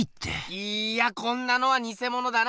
いやこんなのはニセモノだな！